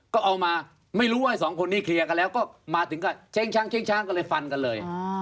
ก็เอามาไม่รู้ว่าไอ้สองคนนี้เคลียร์กันแล้วก็มาถึงก็เช้งช้างเช้งช้างก็เลยฟันกันเลย